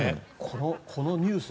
このニュース